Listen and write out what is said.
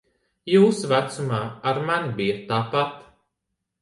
Jūsu vecumā ar mani bija tāpat.